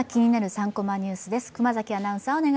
３コマニュース」です。